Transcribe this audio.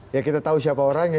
ya kita tahu siapa orang ya